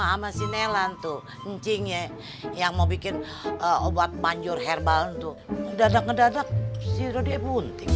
sama sinelan tuh ncingnya yang mau bikin obat panjur herbal untuk dadah dadah sirodia bunting